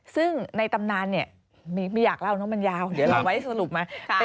ซึ่งในตำนานเนี่ยไม่อยากเล่าเนอะมันยาวเดี๋ยวเราไว้สรุปมา